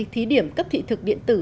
thí điểm cấp thị thực điện tử